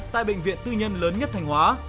tại bệnh viện tư nhân lớn nhất thanh hóa